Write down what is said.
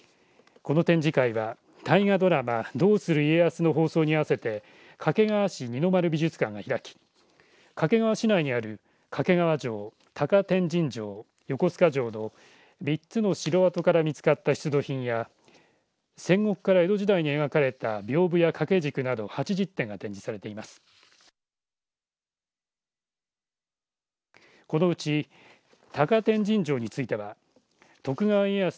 この展示会は大河ドラマどうする家康の放送に合わせて掛川市二の丸美術館が開き掛川市内にある掛川城高天神城、横須賀城の３つの城跡から見つかった出土品や戦国から江戸時代に描かれたびょうぶや掛け軸など８０点が展示されています。